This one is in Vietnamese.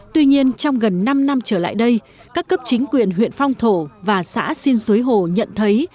tuy nhiên trong gần năm năm trở lại đây các cấp chính quyền huyện phong thổ và xã xin suối hồ nhận thấy